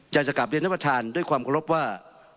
จะจะกลับเรียนท่านประธานด้วยความขอรบว่า